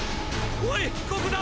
おいここだ！